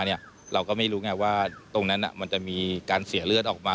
เราก็ไม่รู้ไงว่าตรงนั้นมันจะมีการเสียเลือดออกมา